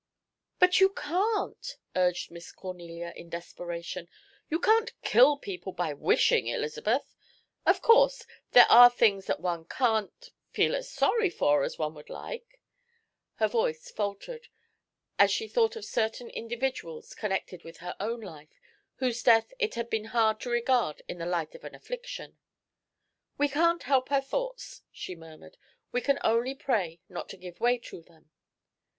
"But you can't," urged Miss Cornelia, in desperation, "you can't kill people by wishing, Elizabeth. Of course, there are things that one can't feel as sorry for as one would like" Her voice faltered, as she thought of certain individuals connected with her own life, whose death it had been hard to regard in the light of an affliction. "We can't help our thoughts," she murmured, "we can only pray not to give way to them."